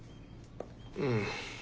うん。